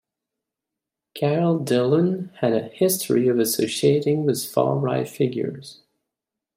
Karel Dillen had a history of associating with far-right figures.